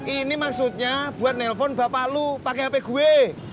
ini maksudnya buat nelpon bapak lu pakai hp gue